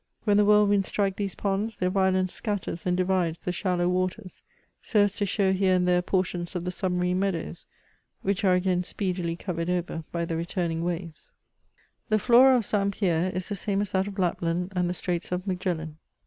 When the whirlwinds strike these ponds, their violence scatters and divides the shallow waters, so as to show here and there portions of the submarine meadows, which are again speedily covered over by the returning waves. The Flora of St. Pierre is the same as that of Lapland, and the Straits of Magellan.